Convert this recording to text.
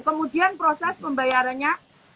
kemudian proses pembayarannya